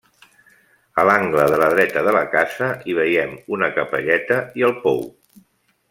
A l'angle de la dreta de la casa hi veiem una capelleta i el pou.